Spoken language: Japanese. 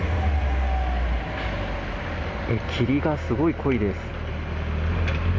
霧がすごい濃いです。